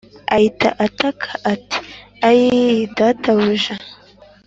Ahita ataka ati ayii databuja